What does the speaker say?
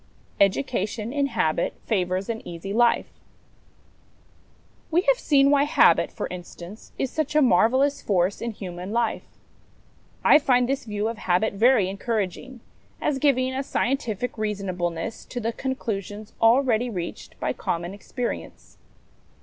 Education in Habit favours an Easy Life. V. T e have seen why Habit, for instance, is such a marvellous force in human life. I find this view of habit very encouraging, as giving a scientific reasonableness to the conclusions already reached by common experience.